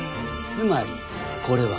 つまりこれは告発？